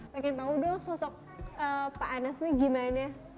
pengen tahu dong sosok pak anas ini gimana